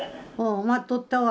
待っとったわ。